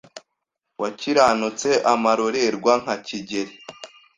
Wakiranutse amarorerwa nka Kigeli